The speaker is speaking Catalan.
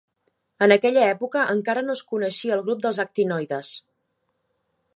En aquella època encara no es coneixia el grup dels actinoides.